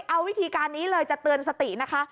เอาวิธีการนี้เลยจะเตือนสตินะคะ